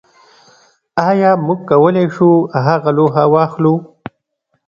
ایا موږ کولی شو هغه لوحه واخلو